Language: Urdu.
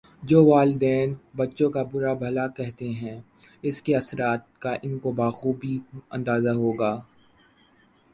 جو والدین بچوں کا برا بھلا کہتے ہیں اسکے اثرات کا انکو بخوبی اندازہ ہو گا